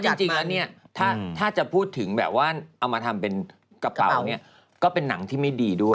จริงแล้วเนี่ยถ้าจะพูดถึงแบบว่าเอามาทำเป็นกระเป๋าเนี่ยก็เป็นหนังที่ไม่ดีด้วย